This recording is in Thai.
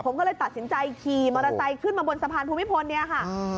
ผมก็เลยตัดสินใจขี่มอเตอร์ไซค์ขึ้นมาบนสะพานภูมิพลเนี่ยค่ะ